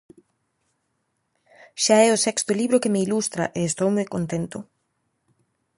Xa é o sexto libro que me ilustra, e estou moi contento.